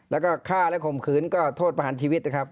แล้วก็ฆ่าและข่มขืนก็โทษประหารชีวิตนะครับ